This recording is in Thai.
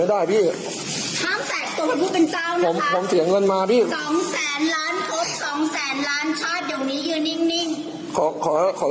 ไม่ได้ครับไม่ได้ยามเข้านะคะไม่สามแสนล้านครบสามแสนล้านชาติ